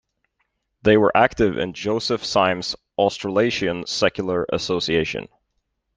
They were active in Joseph Symes's Australasian Secular Association.